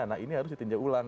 nah ini harus ditinjau ulang